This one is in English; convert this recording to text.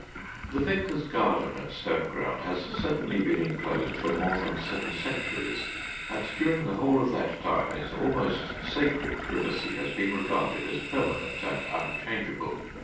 The Vicar's garden at Stoneground has certainly been enclosed for more than seven centuries, and during the whole of that time its almost sacred privacy has been regarded as permanent and unchangeable.